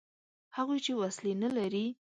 هغوی چې وسلې نه لري.